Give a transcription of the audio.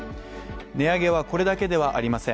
値上げはこれだけではありません。